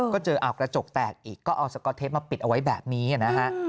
ก็เจอกระจกแตกอีกก็เอาสก๊อตเทปมาปิดเอาไว้แบบนี้นะฮะ